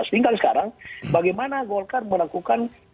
tinggal sekarang bagaimana golkar melakukan